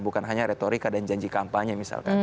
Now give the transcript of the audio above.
bukan hanya retorika dan janji kampanye misalkan